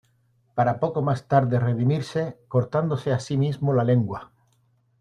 Para poco más tarde redimirse cortándose a sí mismo la lengua.